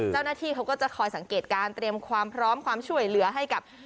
เจ้าหน้าที่เขาก็จะคอยสังเกตการเตรียมความพร้อมความช่วยเหลือให้กับ